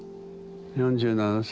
４７歳。